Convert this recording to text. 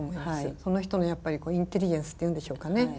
その人のやっぱりインテリジェンスっていうんでしょうかね。